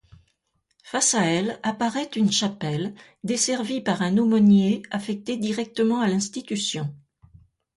Face à elle, apparaît une chapelle, desservie par un aumônier affecté directement à l'institution.